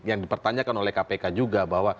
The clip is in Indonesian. yang dipertanyakan adalah